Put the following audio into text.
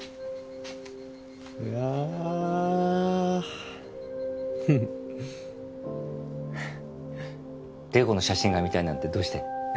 うわっフフッ麗子の写真が見たいなんてどうして？